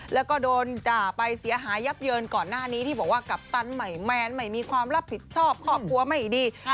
แล้วก็โดนด่าไปเสียหายยับเยินก่อนหน้านี้ที่บอกว่ากัปตันใหม่แมนไม่มีความรับผิดชอบครอบครัวไม่ดี